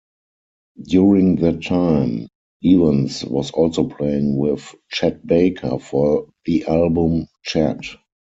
During that time, Evans was also playing with Chet Baker for the album "Chet".